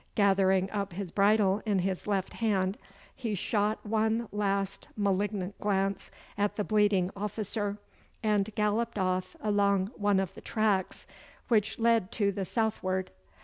Gathering up his bridle in his left hand, he shot one last malignant glance at the bleeding officer, and galloped off along one of the tracks which lead to the southward.